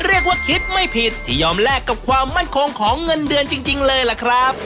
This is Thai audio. เรียกว่าคิดไม่ผิดที่ยอมแลกกับความมั่นคงของเงินเดือนจริงเลยล่ะครับ